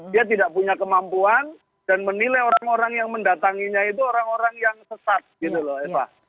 dia tidak punya kemampuan dan menilai orang orang yang mendatanginya itu orang orang yang sesat gitu loh eva